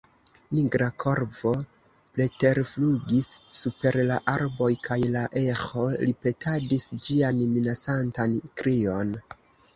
Nigra korvo preterflugis super la arboj, kaj la eĥo ripetadis ĝian minacantan krion.